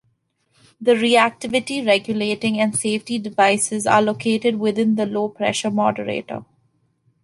The reactivity regulating and safety devices are located within the low-pressure moderator.